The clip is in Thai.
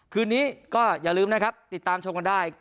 คืนนี้ก็อย่าลืมนะครับติดตามชมกันได้